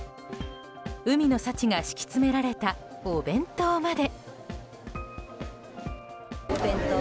海の幸が敷き詰められたお弁当まで。